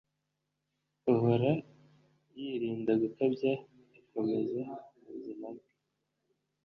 uhora yirinda gukabya, akomeza ubuzima bwe